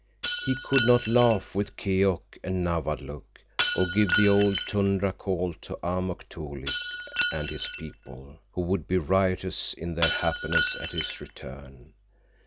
He could not laugh with Keok and Nawadlook, or give the old tundra call to Amuk Toolik and his people, who would be riotous in their happiness at his return.